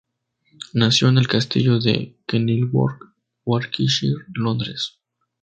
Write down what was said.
Nació en el castillo de Kenilworth, Warwickshire, Londres.